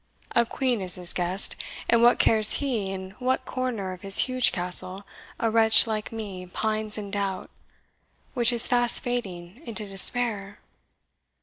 A Queen is his guest, and what cares he in what corner of his huge Castle a wretch like me pines in doubt, which is fast fading into despair?"